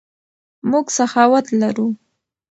موږ سخاوت لرو.